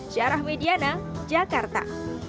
syarah mediana jakarta